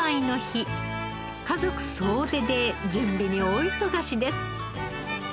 家族総出で準備に大忙しです。